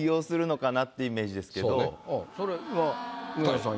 それは梅沢さん。